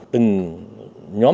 từng nhóm nhóm